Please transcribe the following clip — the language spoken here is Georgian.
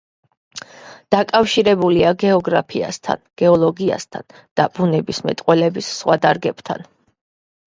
დაკავშირებულია გეოგრაფიასთან, გეოლოგიასთან და ბუნებისმეტყველების სხვა დარგებთან.